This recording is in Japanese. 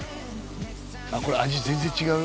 これ味全然違う？